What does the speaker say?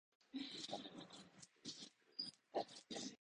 なんでワカメを独り占めするの